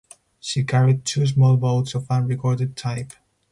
She carried two small boats of unrecorded type.